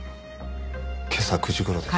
今朝９時頃です。